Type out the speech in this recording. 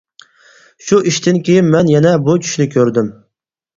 شۇ ئىشتىن كېيىن مەن يەنە بۇ چۈشنى كۆردۈم.